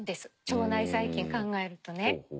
腸内細菌考えるとね。